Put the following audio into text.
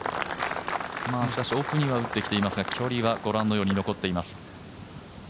しかし奥には打ってきていますが距離はごらんのようになっています。